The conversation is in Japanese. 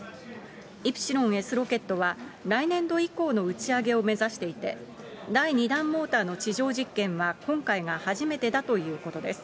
イプシロンＳロケットは、来年度以降の打ち上げを目指していて、第２段モーターの地上実験は今回が初めてだということです。